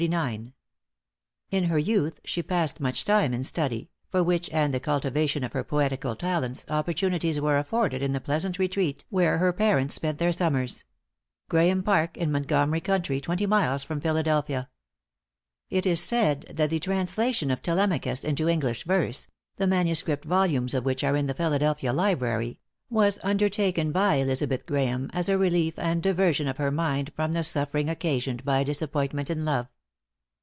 In her youth she passed much time in study; for which, and the cultivation of her poetical talents, opportunities were afforded in the pleasant retreat where her parents spent their summers Graeme Park, in Montgomery county, twenty miles from Philadelphia. It is said that the translation of Telemachus into English verse the manuscript volumes of which are in the Philadelphia Library was undertaken by Elizabeth Graeme, as a relief and diversion of her mind from the suffering occasioned by a disappointment in love.